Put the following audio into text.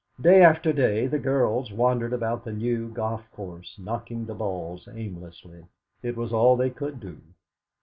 Day after day the girls wandered about the new golf course knocking the balls aimlessly; it was all they could do.